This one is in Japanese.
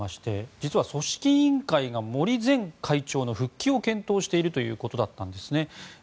実は組織委員会が森前会長の復帰を検討しているということです。